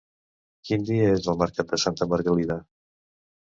Quin dia és el mercat de Santa Margalida?